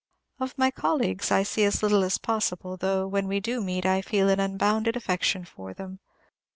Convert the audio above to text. Of my colleagues I see as little as possible, though, when we do meet, I feel an unbounded affection for them.